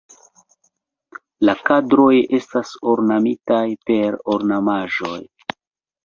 La kadroj estas ornamitaj per ornamaĵoj.